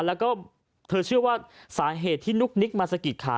แล้วก็เธอเชื่อว่าสาเหตุที่นุ๊กนิกมาสะกิดขา